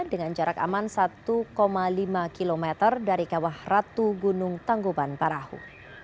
dengan jarak aman satu lima km dari kawah ratu gunung tangguban parahu